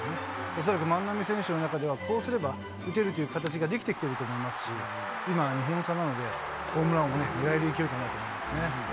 恐らく万波選手の中ではこうすれば打てるという形ができてくると思いますし、今、２本差なので、ホームラン王を狙える勢いかなと思いますね。